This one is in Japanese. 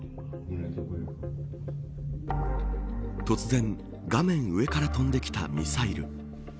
突然、画面の上から飛んできたミサイル。